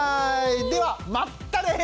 ではまったね！